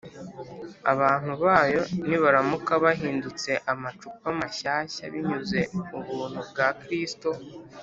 abantu bayo nibaramuka bahindutse amacupa mashyashya binyuze mu buntu bwa kristo